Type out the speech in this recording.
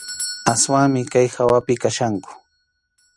Aswanmi kay hawapi kachkanku.